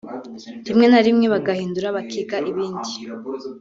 rimwe na rimwe bagahindura bakiga ibindi